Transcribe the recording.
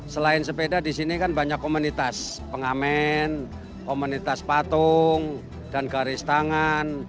selain sepeda di sini kan banyak komunitas pengamen komunitas patung dan garis tangan